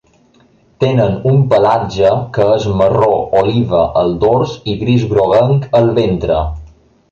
Tenen un pelatge que és marró oliva al dors i gris groguenc al ventre.